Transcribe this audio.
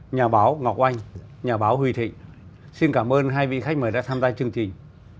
nhà báo ngọc anh nhà báo huy thịnh xin cảm ơn hai vị khách mời đã tham gia chương trình